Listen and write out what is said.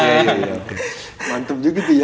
mantep juga gitu ya